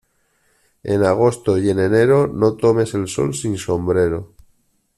En agosto y en enero no tomes el sol sin sombrero.